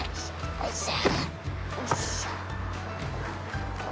よいしょ。